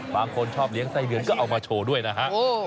บางคนชอบเลี้ยงไส้เดือนก็เอามาโชว์ด้วยนะฮะ